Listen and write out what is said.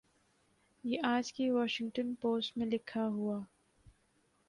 یہ آج کی واشنگٹن پوسٹ میں لکھا ہوا